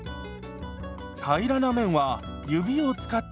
平らな面は指を使って拭きます。